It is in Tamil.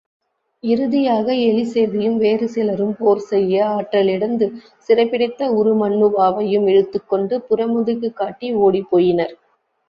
இறுதியாக எலிச்செவியும் வேறு சிலரும் போர் செய்ய ஆற்றலிழந்து, சிறைப்பிடித்த உருமண்ணுவாவையும் இழுத்துக்கொண்டு புறமுதுகுகாட்டி ஒடிப்போயினர்.